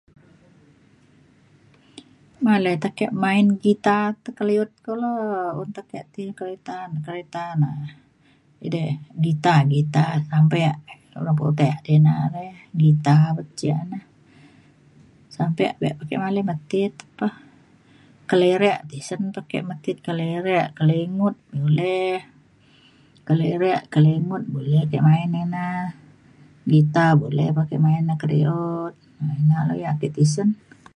malai pa te kak main guitar tekeliut kulu. un pa ake ti kereta na kereta na edei guitar guitar sampe urang putek di na re guitar ban ce na. sampe be pa ke malai metit pa. kelirek tisen pa ke metit kelirek kelingut boleh kelirek kelingut boleh ake main ina guitar boleh pa ake main na kediut. na ina lok yak ake tisen.